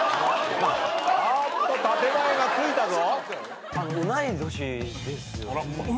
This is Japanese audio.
あっと建前がついたぞ。